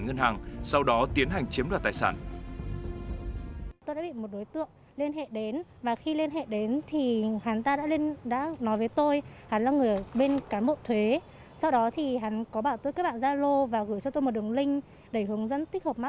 ngân hàng sau đó tiến hành chiếm đoạt tài sản